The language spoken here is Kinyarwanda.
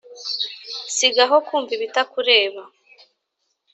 sigaho kumva ibatukureba